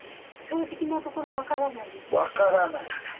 分からない。